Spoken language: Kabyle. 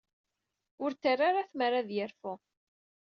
Ur t-terri ara tmara ad yerfu.